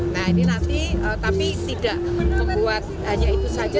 nah ini nanti tapi tidak sekuat hanya itu saja